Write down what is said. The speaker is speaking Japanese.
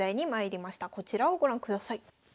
こちらをご覧ください。